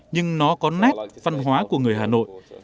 nhưng nó có nét văn hóa của người hà nội